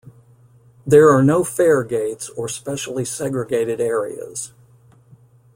There are no faregates or specially segregated areas.